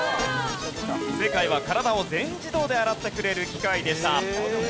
正解は体を全自動で洗ってくれる機械でした。